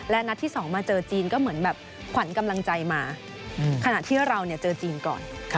และนัดที่๒มาเจอจีนก็เหมือนแบบขวัญกำลังใจมาขณะที่เราเจอจีนก่อน